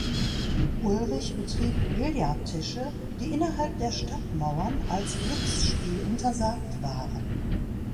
Ulrich betrieb Billardtische, die innerhalb der Stadtmauern als Glücksspiel untersagt waren.